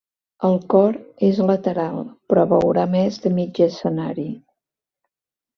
El cor és lateral, però veurà més de mig escenari.